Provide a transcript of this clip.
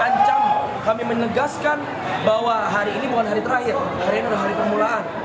ancam kami menegaskan bahwa hari ini bukan hari terakhir hari ini adalah hari permulaan